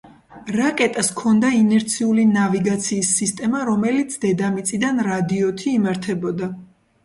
რაკეტას ჰქონდა ინერციული ნავიგაციის სისტემა რომელიც დედამიწიდან რადიოთი იმართებოდა.